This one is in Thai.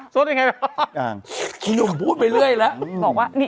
ซดยังไง